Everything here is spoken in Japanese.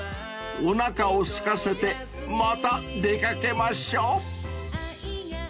［おなかをすかせてまた出掛けましょ］